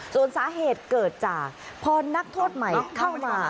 ส่วนสาเหตุเกิดจากพอนักโทษใหม่เข้ามา